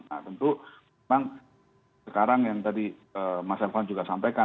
nah tentu memang sekarang yang tadi mas evan juga sampaikan